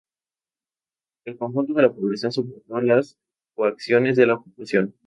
El conjunto de la población soportó las coacciones de la ocupación.